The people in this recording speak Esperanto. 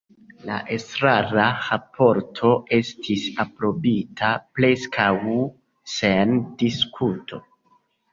La estrara raporto estis aprobita preskaŭ sen diskuto.